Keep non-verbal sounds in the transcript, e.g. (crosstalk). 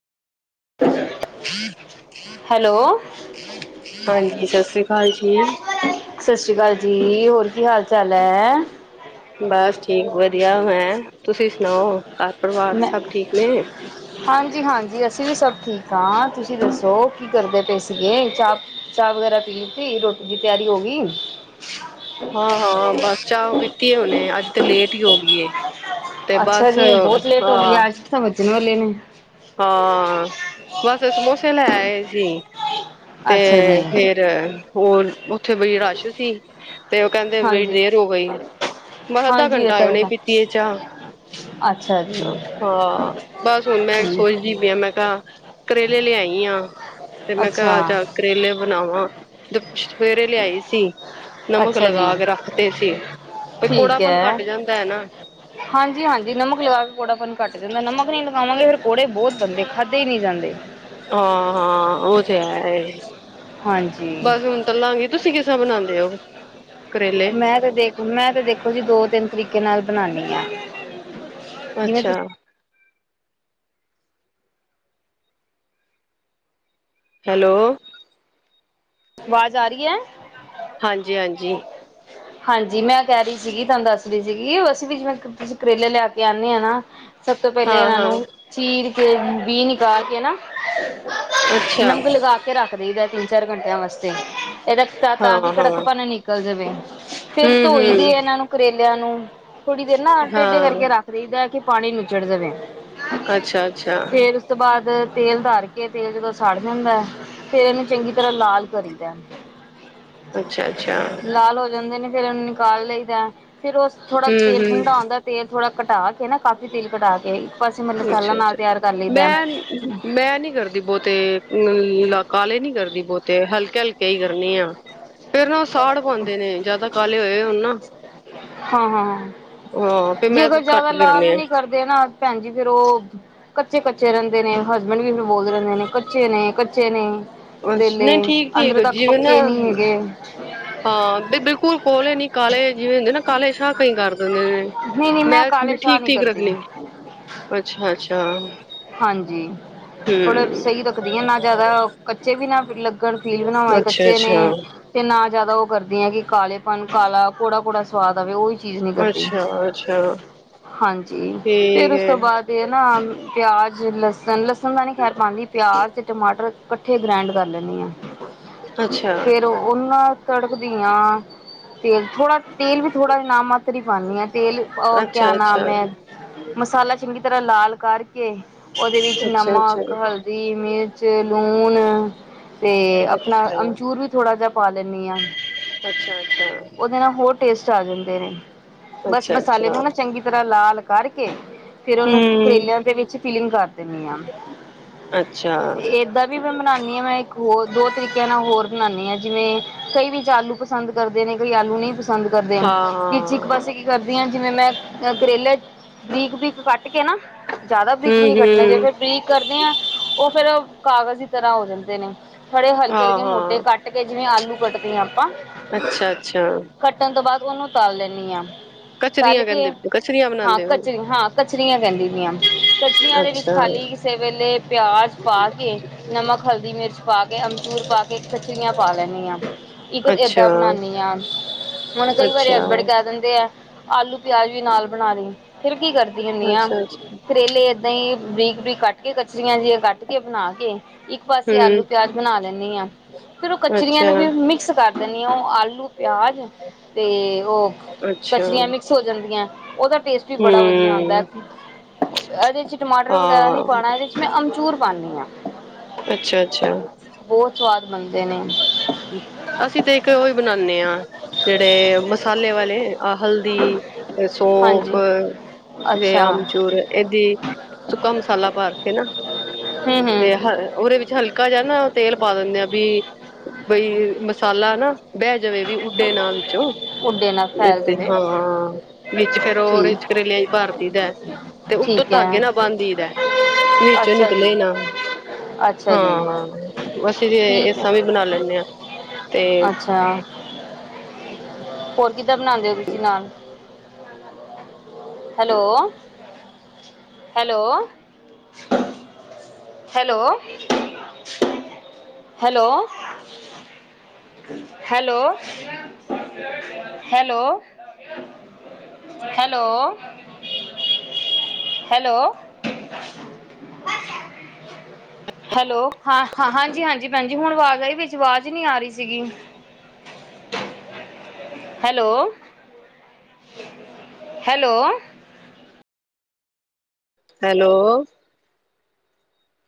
ਹ ਹੈਲੋ ਹਾਂਜੀ ਸਤਿ ਸ੍ਰੀ ਅਕਾਲ ਠੀਕ ਸਤਿ ਸ਼੍ਰੀ ਅਕਾਲ ਜੀ ਹੋਰ ਕੀ ਹਾਲ ਚਾਲ ਹੈ ਬਸ ਠੀਕ ਵਧੀਆ ਮੈਂ ਤੁਸੀਂ ਸੁਣਾਓ ਘਰ ਪਰਿਵਾਰ ਮੈਂ ਸਭ ਠੀਕ ਨੇ ਹਾਂਜੀ ਹਾਂਜੀ ਅਸੀਂ ਵੀ ਸਭ ਠੀਕ ਹਾਂ ਤੁਸੀਂ ਦੱਸੋ ਕੀ ਕਰਦੇ ਪਏ ਸੀਗੇ ਚਾਹ ਚਾਹ ਵਗੈਰਾ ਪੀ ਲਤੀ ਰੋਟੀ ਦੀ ਤਿਆਰੀ ਹੋ ਗਈ ਹਾਂ ਹਾਂ ਬਸ ਚਾਹ ਉਹ ਕੀਤੀ ਹੈ ਉਹਨੇ ਅੱਜ ਤੇ ਲੇਟ ਹੀ ਹੋ ਗਈ ਤੇ ਅੱਛਾ ਬਸ ਜੀ ਬਹੁਤ ਲੇਟ ਹੋ ਗਈ ਹਾਂ ਆੱਜ ਕਿ ਤਾਂ ਵੱਜਣ ਵਾਲੇ ਨੇ ਹਾਂ ਬਸ ਸਮੋਸੇ ਲੈ ਆਏ ਸੀ ਅੱਛਾ ਜੀ ਤੇ ਫੇਰ ਉਹ ਉੱਥੇ ਬੜੀ ਰਸ਼ ਸੀ ਤੇ ਉਹ ਕਹਿੰਦੇ ਬੜੀ ਹਾਂਜੀ ਦੇਰ ਹੋ ਗਈ ਬਸ ਅੱਧਾ ਹਾਂਜੀ ਇਹ ਘੰਟਾ ਤਾਂ ਉਹਨੇ ਹੈਗਾ ਪੀਤੀ ਹੈ ਚਾਹ ਅੱਛਾ ਜੀ ਹਾਂ ਬਸ ਹੁਣ ਮੈਂ ਠੀਕ ਸੋਚਦੀ ਪਈਿਆ ਮੈਂ ਕਿਹਾ ਕਰੇਲੇ ਲਈ ਹੈਈ ਆ ਤੇ ਮੈਂ ਅੱਛਾ ਕਿਹਾ ਜਾਂ ਕਰੇਲੇ ਬਣਾਵਾਂ ਸਵੇਰੇ ਲਿਆਈ ਸੀ ਨਮਕ ਅੱਛਾ ਜੀ ਲਗਾ ਕੇ ਰੱਖਦੇ ਸੀ ਪ ਠੀਕ ਕੌੜਾਪਨ ਹੈ ਘੱਟ ਜਾਂਦਾ ਹੈ ਨਾ ਹਾਂਜੀ ਹਾਂਜੀ ਨਮਕ ਲਗਾ ਕੇ ਪੌੜਾਪਨ ਘੱਟ ਦਾ ਨਮਕ ਨੀ ਲਗਾਵਾਂਗੇ ਫੇਰ ਘੋੜੇ ਬਹੁਤ ਬੰਦੇ ਖਾਦੇ ਹੀ ਨਹੀਂ ਜਾਂਦੇ ਹਾਂ ਹਾਂ ਉਹ ਤੇ ਹੈ ਹਾਂਜੀ ਬਸ ਹੁਣ ਚਲਾਂਗੀ ਤੁਸੀਂ ਕਿਸ ਾ ਬਣਾਉਂਦੇ ਉਹ ਮੈਂ ਤੇ ਦੇਖ ਮੈਂ ਤੇ ਦੇਖੋ ਜੀ ਦੋ ਤਿੰਨ ਤਰੀਕੇ ਨਾਲ ਬਣਾਉਾਨਦੀ ਹਾਂ ਅੱਛਾ। ਹੈਲੋ। ਆਵਾਜ਼ ਆ ਰਈ ਐ? ਹਾਂਜੀ-ਹਾਂਜੀ। ਹਾਂਜੀ, ਮੈਂ ਕਹਿ ਰਈ ਸੀਗੀ, ਤੁਹਾਨੂੰ ਦੱਸ ਰਹੀ ਸੀਗੀ, ਅਸੀਂ ਵੀ ਜਿਵੇਂ ਤੁਸੀਂ ਕਰੇਲੇ ਲਿਆ ਕੇ ਆਣੇ ਆ ਨਾ ਸਭ ਤੋਂ ਪਹਿਲੇ ਹਾਂ ਇਹਨਾਂ ਹਾਂ ਨੂੰ ਚੀਰ ਕੇ, ਬੀ ਨਿਕਾਲ ਕੇ ਨਾ ਅੱਛਾ ਨਮਕ ਲਗਾ ਕੇ ਰੱਖ ਦੇਈਦਾ, ਤਿੰਨ ਚਾਰ ਘੰਟਿਆਂ ਵਾਸਤੇ। ਏਹ ਰੱਸਤਾ ਤਾਂ ਵੀ ਹਾਂ ਕੜਕ ਹਾਂ ਪਨ ਨਿਕਲ ਜਾਵੇ। ਫਿਰ ਹਮ ਧੋਈ ਦੇ ਹਮ ਇਹਨਾਂ ਨੂੰ ਕਰੇ ਲਿਆਂ ਨੂੰ, ਥੋੜ੍ਹੀ ਦੇਰ ਨਾ ਟੇਢੇ ਹਾਂ ਕਰਕੇ ਰੱਖ ਦਈਦਾ, ਕਿ ਪਾਣੀ ਨੂੰੱਚੜ ਜਾਵੇ। ਅੱਛਾ ਅੱਛਾ ਫੇਰ ਉਸ ਤੋਂ ਬਾਅਦ ਤੇਲ ਧਰ ਕੇ, ਤੇਲ ਜਦੋਂ ਸੜ ਜਾਂਦਾ ਏ, ਫੇਰ ਏਨੂੰ ਚੰਗੀ ਤਰ੍ਹਾਂ ਲਾਲ ਕਰੀਦਾ ਏ। ਅੱਛਾ-ਅੱਛਾ। ਜਾਂਦੇ ਨੇ ਫੇਰ ਉਹਨੂੰ ਨਿਕਾਲ ਲਈਦਾ ਏ, ਫੇਰ ਉਹਸ ਥੋੜਾ ਹਮ ਤੇਲ ਹਮ ਠੰਢਾ ਹੁੰਂਦਾ ਤੇਲ ਥੋੜਾ ਘਟਾ ਕੇ ਨਾ, ਕਾਫੀ ਤੇਲ ਘਟਾ ਕੇ, ਇੱਕ ਪਾਸੇ ਮੈਂ ਮਸਾਲਾ ਅੱਛਾ ਨਾਲ ਅੱਛਾ ਤਿਆਰ ਕਰ ਲਈਦਾ ਮੈਂ, ਮੈਂ ਨੀ ਕਰਦੀ ਬਹੁਤੇ, ਅ ਕਾਲੇ ਨੀ ਕਰਦੀ ਬਹੁਤੇ। ਹਲਕੇ-ਹਲਕੇ ਈ ਕਰਨੀ ਆ। ਫੇਰ ਨਾ ਉਹ ਸਾੜ ਪਾਉਂਦੇ ਨੇ, ਜਿਆਦਾ ਕਾਲੇ ਹੋਏ ਹੋਣ ਨਾ। ਹਾਂ-ਹਾਂ-ਹਾਂ। ਆਂ। ਜੇ ਅਗਰ ਜਾਦਾ ਲਾਲ ਨੀ ਕਰਦੇ ਨਾ, ਭੈਣ ਜੀ ਫੇਰ ਔਹ ਕੱਚੇ-ਕੱਚੇ ਰਹਿੰਦੇ ਨੇ, ਹਸਬੈਂਡ ਵੀ ਮਨੂੰ ਬੋਲਦੇ ਰਹਿੰਦੇ ਨੇ, ਕੱਚੇ ਨੇ ਕੱਚੇ ਨੇ। ਅੱਛ, ਨਈ ਠੀਕ। ਅੰਦਰ ਠੀਕ ਤੱਕ ਜਿਵੇਂ ਨਾ ਪੱਕੇ ਨਈ ਹੈਗੇ। ਹਾਂ, ਬੀ ਬਿਲਕੁਲ ਕੋਲੇ ਨੀ ਕਾਲੇ, ਜਿਵੇਂ ਹੁੰਦੇ ਨਾ ਕਾਲੇ ਸ਼ਾਹ, ਕਈ ਕਰ ਦਿੰਦੇ ਨੇ। ਨਹੀਂ ਨਹੀਂ ਮੈਂ ਕਾਲੇ ਸ਼ਾਹ ਨਹੀਂ ਠੀਕ-ਠੀਕ ਕਰਦੀ ਰੱਖਣੀ, ਅੱਛਾ-ਅੱਛਾ। ਜੀ, ਥੋੜਾ ਸਈ ਰੱਖਦੀ ਆ, ਨਾ ਜਿਆਦਾ ਕੱਚੇ ਵੀ ਨਾ ਫਿਰ ਲ ਕਨ ਫੀਲ ਬਣਾਵਾ ਏਹ ਅੱਛਾ ਕੱਚੇ ਅੱਛਾ ਨੇ, ਤੇ ਨਾ ਜ਼ਿਆਦਾ ਔਹ ਕਰਦੀ ਆ ਕਿ ਕਾਲੇਪਨ, ਕਾਲਾ ਕੋੜਾ-ਕੋੜਾ ਸਵਾਦ ਆਵੇ। ਉਹੀ ਚੀਜ਼ ਨਈ ਕਰਦੀ, ਅੱਛਾ ਅੱਛਾ ਹਾਂਜੀ, ਫੇਰ ਠੀਕ ਉਸ ਹੈ ਤੋਂ ਬਾਅਦ ਏਹ ਨਾ ਪਿਆਜ ਲਸਣ, ਲਸਣ ਦਾ ਨੀ ਖੈਰ ਪਾਉਂਦੀ, ਪਿਆਜ਼ ਤੇ ਟਮਾਟਰ ਇਕੱਠੇ ਗ੍ਰੈਂਡ ਕਰ ਲੈਂਣੀ ਆ। ਅੱਛਾ ਫੇਰ ਔਨਾਂ ਤੜਕਦੀਆਂ। ਤੇਲ ਥੋੜਾ, ਤੇਲ ਵੀ ਥੋੜਾ ਨਾਮ ਮਾਤਰ ਹੀ ਪਾਉਣੀ ਆ। ਤੇਲ ਅ ਕਿਆ ਅੱਛਾ ਅੱਛਾ ਨਾਮ ਏ, ਮਸਾਲਾ ਚੰਗੀ ਤਰ੍ਹਾਂ ਲਾਲ ਕਰਕੇ ਉਹਦੇ ਵਿੱਚ ਅੱਛਾ ਅੱਛਾ ਨਮਕ, ਹਲਦੀ, ਮਿਰਚ, ਲੂਣ। ਤੇ ਅਪਣਾ ਅੱਛਾ ਅਮਚੂਰ ਵੀ ਥੋੜ੍ਹਾ ਜਿਹਾ ਪਾ ਲੈਣੀ ਆ। ਅੱਛਾ ਅੱਛਾ ਉਹਦੇ ਨਾਲ ਹੋਰ ਟੇਸ ਚਾ ਜਾਂਦੇ ਨੇ, ਬਸ ਅੱਛਾ ਮਸਾਲੇ ਅੱਛਾ ਨੂੰ ਨਾ ਚੰਗੀ ਤਰ੍ਹਾਂ ਲਾਲ ਕਰਕੇ ਫੇਰ ਔਨੂੰ ਹਮ ਕਰੇਲਿਆਂ ਦੇ ਵਿੱਚ ਫੀਲਿੰਗ ਕਰ ਦੇਣੀ ਆ। ਅੱਛਾ ਏਦਾਂ ਵੀ ਮੈਂ ਮਨਾਣੀ ਆ ਮੈਂ ਇੱਕ ਹੋਰ ਦੋ ਤਰੀਕਿਆਂ ਨਾਲ ਹੋਰ ਬਨਾਣੀ ਹਾਂ ਜਿਵੇਂ, ਕਈ ਵਿੱਚ ਆਲੂ ਪਸੰਦ ਕਰਦੇ ਨੇ, ਕਈ ਆਲੂ ਨਈ ਪਸ ਪਸੰਦ ਕਰਦੇ ਅਨ, ਹਾਂ ਵਿੱਚ ਇੱਕ ਪਾਸੇ ਕੀ ਕਰਦੀ ਆ ਕਿਵੇਂ ਮੈਂ ਕਰੇਲੇ ਬਰੀਕ-ਬਰੀਕ ਕੱਟ ਕੇ ਨਾ ਜ਼ਿਆਦਾ ਬਰੀਕ ਹਾਂ ਵੀ ਨਈ ਹਮ ਕੱਟਣੇ, ਜੇ ਹਮ ਫਿਰ ਬਰੀਕ ਕਰਨੇ ਏ, ਉਹ ਫੇਰ ਕਾਗਜ਼ ਦੀ ਤਰ੍ਹਾਂ ਹੋ ਜਾਂਦੇ ਨੇ। ਥੋੜੇ ਹਾਂ ਹਲਕੇ-ਹਲਕੇ ਮੋਟੇ ਹਾਂ ਕੱਟ ਕੇ, ਜਿਵੇਂ ਆਲੂ ਕੱਟਦੇ ਆ ਆਪਾਂ ਅੱਛਾ ਅੱਛਾ ਕੱਟਣ ਤੋਂ ਬਾਅਦ ਉਹਨੂੰ ਤਲ ਲੈਣੀ ਆ। ਤਲ ਕਚਰੀਆਂ ਕੇ, ਕਹਿੰਦੇ ਕਚਰੀਆਂ ਹਾਂ ਬਣਾਉਂਦੇ ਹੋ ਕਚਰੀ, ਹਾਂ ਕਚਰੀਆਂ ਕਹਿੰਦੀ ਬੀ ਆਂ। ਕਚਰੀਆਂ ਦੇ ਵਿੱਚ, ਅੱਛਾ ਖਾਲੀ ਕਿਸੇ ਵੇਲੇ ਪਿਆਜ ਪਾ ਕੇ, ਨਮਕ, ਹਲਦੀ, ਮਿਰਚ ਪਾ ਕੇ, ਅਮਚੂਰ ਪਾ ਕੇ, ਖਚਰੀਆਂ ਪਾ ਲੈਣੀ ਆ, ਇੱਕ ਏਦਾਂ ਅੱਛਾ ਬਨਾਣੀ ਆ। ਹੁਣ ਕਈ ਵਾਰੀ ਅੱਛਾ ਹਸਬਡ ਕੇਹ ਦਿੰਦੇ ਐ ਆਲੂ ਪਿਆਜ ਵੀ ਨਾਲ ਬਣਾ ਦੀ, ਫਿਰ ਕੀ ਕਰਦੀ ਹੁੰਣੀ ਆ, ਅੱਛਾ ਅੱਛਾ ਕਰੇਲੇ ਏਦਾਂ ਈ ਬਰੀਕ ਬਰੀਕ ਕੱਟ ਕੇ ਕਚਰੀਆਂ ਜਿਹੀਆਂ ਕੱਟ ਕੇ ਬਣਾ ਕੇ ਇੱਕ ਪਾਸੇ ਆਲੂ ਹਮ ਪਿਆਜ਼ ਬਣਾ ਲੈਂਦੀ ਹਾਂ ਫਿਰ ਉਹ ਕਚਰੀਆਂ ਅੱਛਾ ਨੂੰ ਵੀ ਮਿਕਸ ਕਰ ਦਿੰਦੀ ਆ ਉਹ ਆਲੂ ਆਲੂ ਪਿਆਜ ਤੇ ਉਹ ਅੱਛਾ ਕਚੜੀਆਂ ਮਿਕਸ ਹੋ ਜਾਂਦੀਆਂ ਉਹਦਾ ਟੇਸਟ ਵੀ ਬੜਾ ਵਧੀਆ ਆਉਂਦਾ ਹਮ ਇਹਦੇ ਚ ਟਮਾਟਰ ਵਗੈਰਾ ਨਹੀਂ ਹਾਂ ਪਾਉਣਾ ਇਹਦੇ ਚ ਮੈਂ ਅਮਚੂਰ ਪਾਦੀ ਹਾਂ ਅੱਛਾ ਅੱਛਾ ਬਹੁਤ ਸਵਾਦ ਬਨਦੇ ਨੇ ਅਸੀਂ ਤੇ ਇੱਕ ਉਹੀ ਬਣਾਉਦੇ ਹਾਂ ਜਿਹੜੇ ਮਸਾਲੇ ਵਾਲੇ ਆ ਹਲਦੀ ਸੌਂਫ ਹਾਂਜੀ ਤੇ ਅੱਛਾ ਆਮਚੂਰ ਇਹਦੀ ਸੁੱਕਾ ਮਸਾਲਾ ਭਾਰ ਕੇ ਨਾ ਹੂੰ ਤੇ ਹ ਹੂੰ ਉਹਦੇ ਵਿੱਚ ਹਲਕਾ ਜਿਹਾ ਤੇਲ ਪਾ ਦਿੰਦੇ ਆ ਬ ਬਈ ਮਸਾਲਾ ਨਾ ਬਹਿ ਜਾਵੇ ਵੀ ਉੱਡੇ ਨਾਂ ਵਿੱਚੋਂ ਉੱਡੇ ਨਾ ਫੈਲ ਤੇ ਜਾਵੇ ਹਾਂ ਵਿੱਚ ਫਿਰ ਉਹ ਠੀਕ ਓਰੇਂਜ ਕਰੇਲਾ ਲਿਆ ਹੀ ਭਾਰਤੀ ਦਾ ਤੇ ਉਤੋਂ ਠੀਕ ਹੈ ਧਾਗੇ ਨਾ ਬੰਦ ਦਈਦਾ ਵਿੱਚੋਂ ਅੱਛਾ ਜੀ ਨਿਕਲੇ ਨਾ ਅੱਛਾ ਜੀ ਹਾਂ ਅਸੀਂ ਜ ਠੀਕ ਇਸ ਹੈ ਤਰ ਵੀ ਬਣਾ ਲੈਂਦੇ ਹਾਂ ਤੇ ਅੱਛਾ ਹੋਰ ਕਿੱਦਾਂ ਬਣਾਉਂਦੇ ਹੋ ਤੁਸੀਂ naan hello hello hello hello hello hello hello hello (inaudible) hello ਹਾਂ ਹਾਂ ਹਾਂਜੀ ਹਾਂਜੀ ਭੈਣਜੀ ਹੁਣ ਆਵਾਜ਼ ਆਈ ਵਿੱਚ ਆਵਾਜ਼ ਨਹੀਂ ਆ ਰਹੀ ਸੀਗੀ (inaudible) ਹੈਲੋ ਹੈਲੋ ਹੈਲੋ